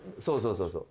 そうそう。